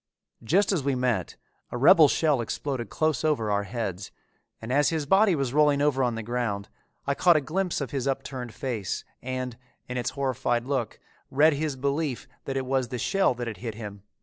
Just as we met, a rebel shell exploded close over our heads and as his body was rolling over on the ground, I caught a glimpse of his upturned face and, in its horrified look, read his belief that it was the shell that had hit him.